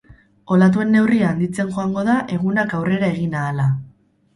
Olatuen neurria handitzen joango da, egunak aurrera egin ahala.